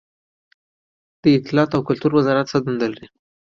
د اطلاعاتو او کلتور وزارت څه دنده لري؟